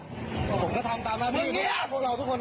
ผมก็ตามมาที่เรามึงเยียบ